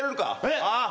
えっ？